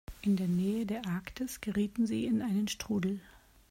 In der Nähe der Arktis gerieten sie in einen Strudel.